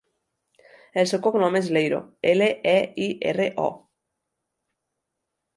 El seu cognom és Leiro: ela, e, i, erra, o.